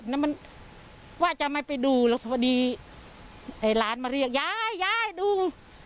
แล้วมันว่าจะไม่ไปดูแล้วพอดีไอ้หลานมาเรียกยายยายดุง